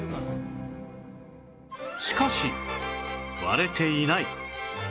しかし割れていない